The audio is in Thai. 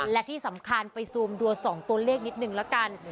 และที่สำคัญไปซูมดู๒ตัวเลขนิดนึงละกัน